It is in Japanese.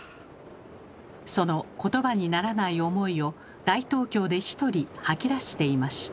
その言葉にならない思いを大東京でひとり吐き出していました。